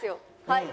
はい。